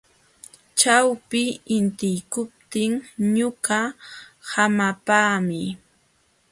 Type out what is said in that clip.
Ćhawpi intiykuptin ñuqa hamapaami.